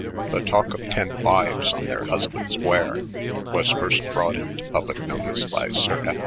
The Talk of Ten Wives on thdr Siisbands' Ware was first brought into public notice by Sir F.